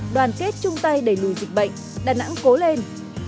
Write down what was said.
đoàn kết chung tay đẩy lùi dịch bệnh đà nẵng cố lên